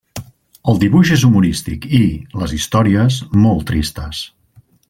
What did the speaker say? El dibuix és humorístic i, les històries, molt tristes.